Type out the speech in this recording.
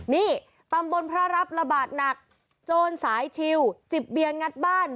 นี่ตำบลพระรับระบาดหนักโจรสายชิวจิบเบียงัดบ้าน